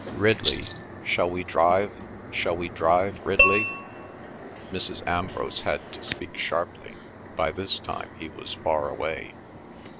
"Ridley, shall we drive? Shall we drive, Ridley?" Mrs. Ambrose had to speak sharply; by this time he was far away.